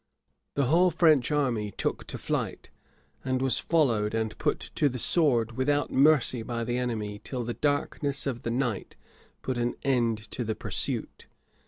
The whole French army took to flight, and was followed and put to the sword without mercy by the enemy, till the darkness of the night put an end to the pursuit.